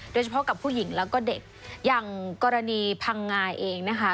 โดยเฉพาะกับผู้หญิงแล้วก็เด็กอย่างกรณีพังงาเองนะคะ